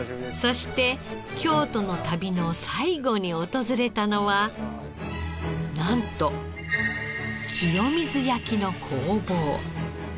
そして京都の旅の最後に訪れたのはなんと清水焼の工房。